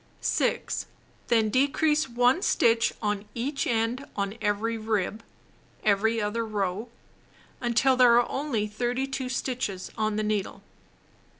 6. Then decrease 1 stitch on each end on every rib (every other row) until there are only 32 stitches on the needle.